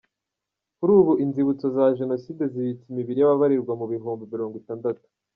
Kuri ubu inzibutso za Jenoside zibitse imibiri y’ababarirwa mu bihumbi mirongo itandatu.